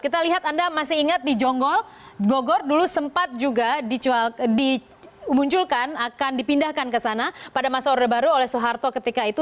kita lihat anda masih ingat di jonggol bogor dulu sempat juga dimunculkan akan dipindahkan ke sana pada masa orde baru oleh soeharto ketika itu